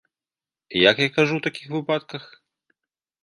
Як я кажу ў такіх выпадках?